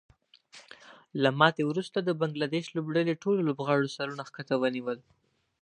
له ماتې وروسته د بنګلادیش لوبډلې ټولو لوبغاړو سرونه ښکته ونیول